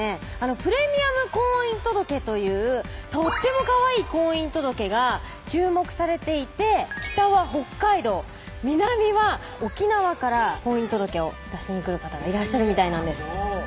プレミアム婚姻届というとってもかわいい婚姻届が注目されていて北は北海道南は沖縄から婚姻届を出しにくる方がいらっしゃるみたいなんです